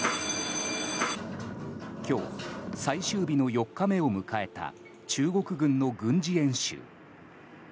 今日、最終日の４日目を迎えた中国軍の軍事演習。